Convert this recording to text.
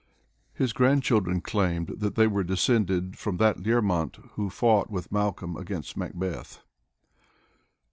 His grandchildren claimed that they were descended from that Learmont who fought with Malcolm against Macbeth.